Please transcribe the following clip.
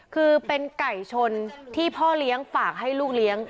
คือเป็นไก่ชนที่พ่อเลี้ยงฝากให้ลูกเลี้ยง